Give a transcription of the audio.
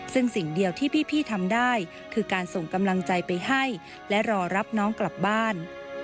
ซึ่งสิ่งเดียวที่พี่ทำได้คือการส่งกำลังใจไปให้และรอรับน้องกลับบ้าน